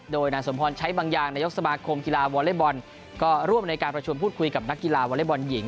โดยนายสมพรใช้บางอย่างนายกสมาคมกีฬาวอเล็กบอลก็ร่วมในการประชุมพูดคุยกับนักกีฬาวอเล็กบอลหญิง